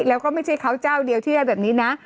แล้วก็ไม่ใช่เขาเจ้าเดียวที่ได้แบบนี้นะ